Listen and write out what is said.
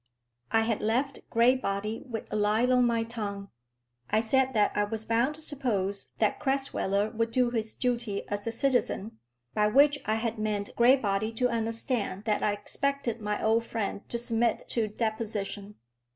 I had left Graybody with a lie on my tongue. I said that I was bound to suppose that Crasweller would do his duty as a citizen, by which I had meant Graybody to understand that I expected my old friend to submit to deposition.